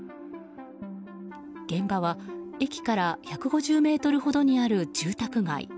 現場は駅から１５０ｍほどにある住宅街。